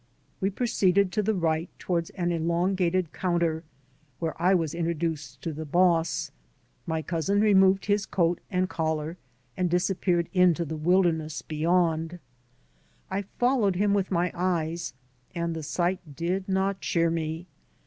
We proceeded to the right toward an elongated counter, where I was introduced to the boss; my cousin removed his coat and coUar, and disappeared into the wfldemess beyond. I foDowed him with my eyes, and the sight did not cheer me.